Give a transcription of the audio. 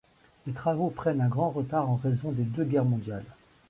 Les travaux prennent un grand retard en raison des deux guerres mondiales.